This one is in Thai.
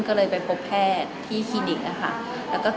ก็เลยไปพบแพทย์ที่คลินิกนะคะ